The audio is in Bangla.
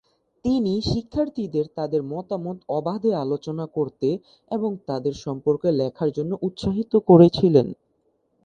তিনি শিক্ষার্থীদের তাদের মতামত অবাধে আলোচনা করতে এবং তাদের সম্পর্কে লেখার জন্য উৎসাহিত করেছিলেন।